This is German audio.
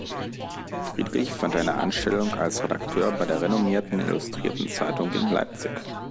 Friedrich fand eine Anstellung als Redakteur bei der renommierten "Illustrirten Zeitung" in Leipzig.